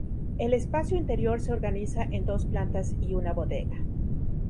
El espacio interior se organiza en dos plantas y una bodega.